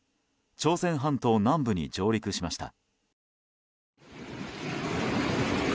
朝鮮半島南部に上陸しました。